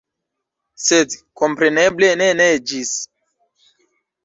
Sed kompreneble ne neĝis.